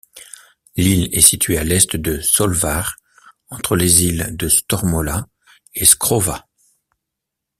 L'île est située à l'est de Svolvær, entre les îles de Stormolla et Skrova.